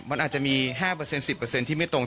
มันอาจจะมี๕เปอร์เซ็นต์๑๐เปอร์เซ็นต์ที่ไม่ตรง